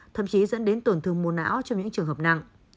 thậm chí dẫn đến tổn thương mô não cho những trường hợp nặng